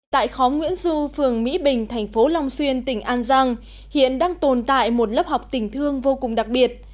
tại khóm nguyễn du phường mỹ bình thành phố long xuyên tỉnh an giang hiện đang tồn tại một lớp học tình thương vô cùng đặc biệt